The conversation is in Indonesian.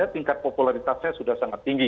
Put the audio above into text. tingkat popularitasnya sudah sangat tinggi